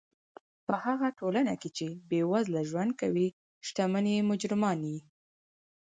په هغه ټولنه کښي، چي بېوزله ژوند کوي، ښتمن ئې مجرمان يي.